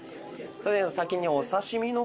先にお刺し身の方。